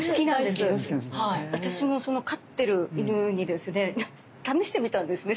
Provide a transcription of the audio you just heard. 私も飼ってる犬にですね試してみたんですね